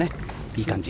いい感じ。